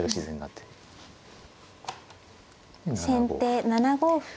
先手７五歩。